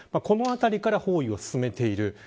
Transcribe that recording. この辺りから包囲を進めている。